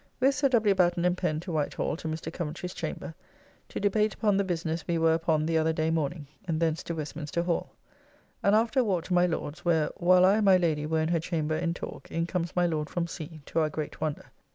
With Sir W. Batten and Pen to Whitehall to Mr. Coventry's chamber, to debate upon the business we were upon the other day morning, and thence to Westminster Hall. And after a walk to my Lord's; where, while I and my Lady were in her chamber in talk, in comes my Lord from sea, to our great wonder.